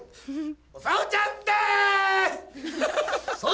おさむちゃんです！